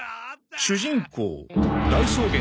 「主人公大草原